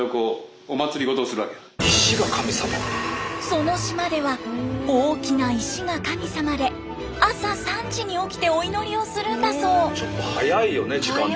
その島では大きな石が神様で朝３時に起きてお祈りをするんだそう。